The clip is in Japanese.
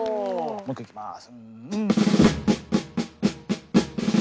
もう一個いきます。